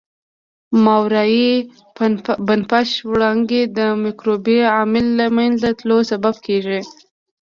ماورای بنفش وړانګې د مکروبي عامل د له منځه تلو سبب کیږي.